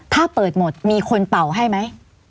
ถ้าเปิดหมดมีคนเป่าให้ไหม